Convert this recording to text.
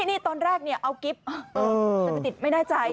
นี่ตอนแรกเอากิฟต์มันไปติดไม่แน่ใจ